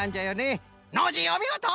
ノージーおみごと！